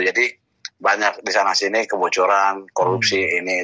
jadi banyak di sana sini kebocoran korupsi ini